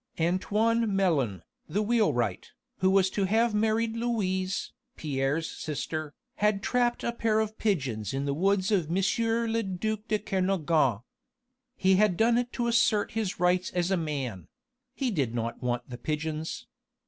Antoine Melun, the wheelwright, who was to have married Louise, Pierre's sister, had trapped a pair of pigeons in the woods of M. le duc de Kernogan. He had done it to assert his rights as a man he did not want the pigeons.